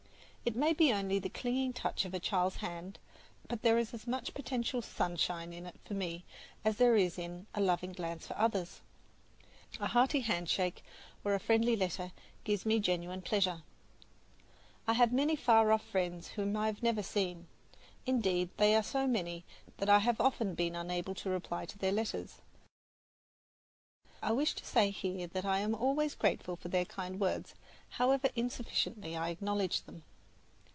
It may be only the clinging touch of a child's hand; but there is as much potential sunshine in it for me as there is in a loving glance for others. A hearty handshake or a friendly letter gives me genuine pleasure. I have many far off friends whom I have never seen. Indeed they are so many that I have often been unable to reply to their letters; but I wish to say here that I am always grateful for their kind words, however insufficiently I acknowledge them.